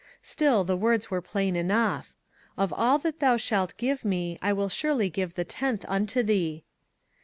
Still the words were plain enough :" Of all that thou shalt give me, I will surely give the tenth unto thee."